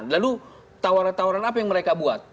lalu tawaran tawaran apa yang mereka buat